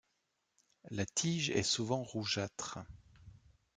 La tige est souvent rougeâtre.